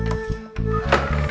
kamu mau ke rumah